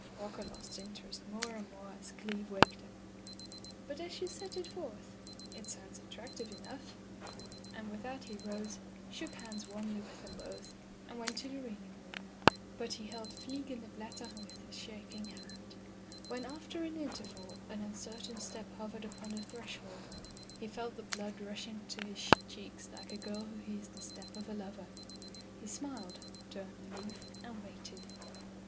Walker lost interest more and more as Cleeve waked up. "But as you set it forth, it sounds attractive enough," and with that he rose, shook hands Digitized by LjOOQ IC Interventions warmly with them both, and went to the reading room. But he held Fliegende Blatter with a shak ing hand. When, after an interval, an un certain step hovered upon the threshold, he felt the blood rushing to his cheeks like a girl who hears the step of a lover. He smiled, turned a leaf, and waited.